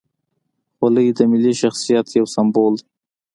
خولۍ د ملي شخصیت یو سمبول دی.